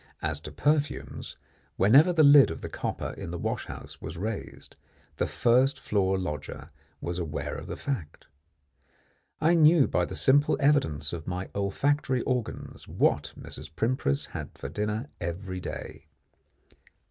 As to perfumes, whenever the lid of the copper in the wash house was raised, the first floor lodger was aware of the fact. I knew by the simple evidence of my olfactory organs what Mrs. Primpris had for dinner every day.